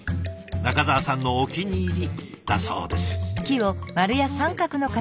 仲澤さんのお気に入りだそうです。